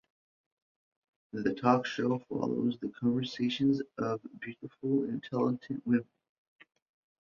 The talk show follows the conversations of beautiful and talented women.